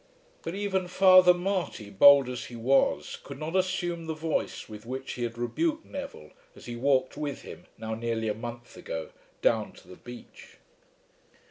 But even Father Marty, bold as he was, could not assume the voice with which he had rebuked Neville as he walked with him, now nearly a month ago, down to the beach.